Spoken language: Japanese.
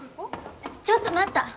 ちょっと待った！